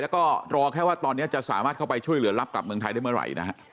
แล้วก็รอแค่ว่าตอนนี้จะสามารถเข้าไปช่วยเหลือรับกลับเมืองไทยได้เมื่อไหร่นะฮะ